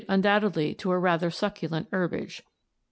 undoubtedly to a rather succulent herbage.